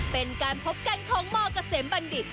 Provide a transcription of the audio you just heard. เป็นการพบกันของมเกษมบัณฑิต